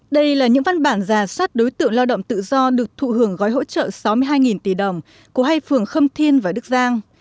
đây là những văn bản giả sát đối tượng lao động tự do được thụ hưởng gói hỗ trợ sáu mươi hai tỷ đồng của hai phường khâm thiên và đức giang